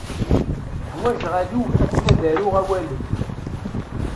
Ḥwajeɣ alug akken ad aruɣ awalen.